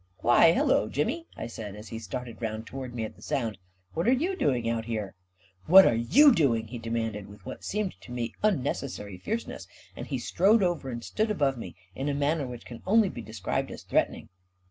"Why, hello, Jimmy," I said, as he started around toward me at the sound " What are you doing out here ?"" What are you doing? " he demanded, with what seemed to me unnecessary fierceness, and he strode over and stood above me in a manner which can only be described as threatening.